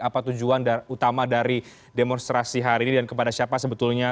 apa tujuan utama dari demonstrasi hari ini dan kepada siapa sebetulnya